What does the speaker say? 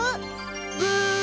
ブー！